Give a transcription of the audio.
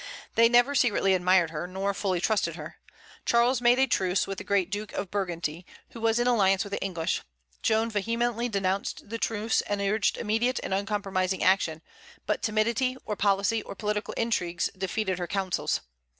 They never secretly admired her, nor fully trusted her. Charles made a truce with the great Duke of Burgundy, who was in alliance with the English. Joan vehemently denounced the truce, and urged immediate and uncompromising action; but timidity, or policy, or political intrigues, defeated her counsels.